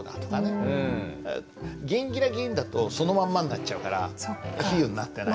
ギンギラギンだとそのまんまになっちゃうから比喩になってない。